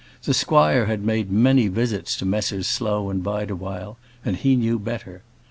The squire had made many visits to Messrs Slow & Bideawhile, and he knew better.